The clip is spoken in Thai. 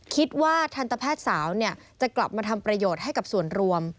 ทันตแพทย์สาวจะกลับมาทำประโยชน์ให้กับส่วนรวม